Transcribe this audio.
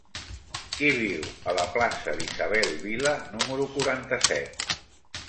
Qui viu a la plaça d'Isabel Vila número quaranta-set?